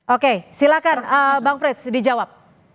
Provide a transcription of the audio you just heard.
oke silakan bang frits dijawab